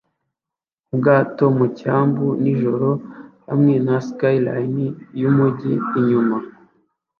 Ubwato mu cyambu nijoro hamwe na skyline yumujyi inyuma